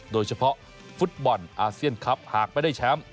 โดยเฉพาะฟุตบอลอาเซียนคลับหากไม่ได้แชมป์